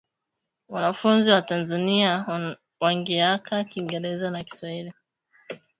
Wana funzi wa tanzania wanaongeaka kingereza na kishwahili